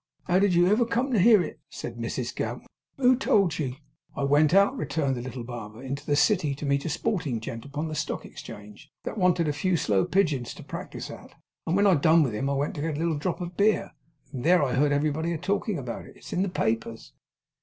'How did you ever come to hear it?' said Mrs Gamp, 'who told you?' 'I went out,' returned the little barber, 'into the City, to meet a sporting gent upon the Stock Exchange, that wanted a few slow pigeons to practice at; and when I'd done with him, I went to get a little drop of beer, and there I heard everybody a talking about it. It's in the papers.